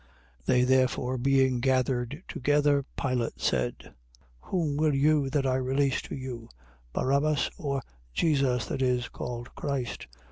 27:17. They therefore being gathered together, Pilate said: Whom will you that I release to You: Barabbas, or Jesus that is called Christ?